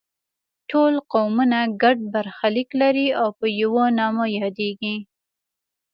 ټول قومونه ګډ برخلیک لري او په یوه نامه یادیږي.